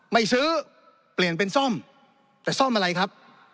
ไม่ซื้อเปลี่ยนเป็นซ่อมแต่ซ่อมอะไรครับ